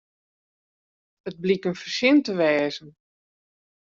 It bliek in fersin te wêzen.